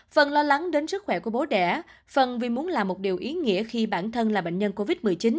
phần lo lắng đến sức khỏe của bố đẻ phần vì muốn là một điều ý nghĩa khi bản thân là bệnh nhân covid một mươi chín